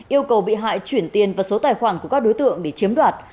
yêu cầu bị hại chuyển tiền vào số tài khoản của các đối tượng để chiếm đoạt